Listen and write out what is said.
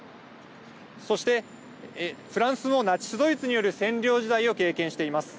そしてフランスもナチスドイツによる占領時代を経験しています。